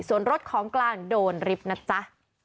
ส่วนรถของกลางโดนริบนะจ๊ะ